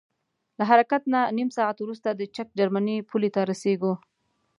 له حرکت نه نیم ساعت وروسته د چک جرمني پولې ته رسیږو.